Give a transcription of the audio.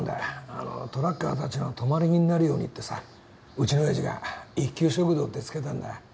あのトラッカーたちの止まり木になるようにってさうちのおやじが一休食堂って付けたんだ。